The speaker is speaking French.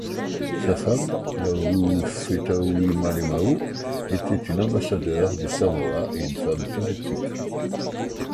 Sa femme, Laulu Fetauimalemau, était une ambassadeur des Samoa et une femme politique.